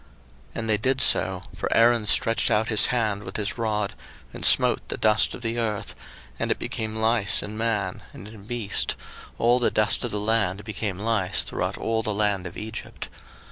02:008:017 And they did so; for Aaron stretched out his hand with his rod, and smote the dust of the earth, and it became lice in man, and in beast; all the dust of the land became lice throughout all the land of Egypt.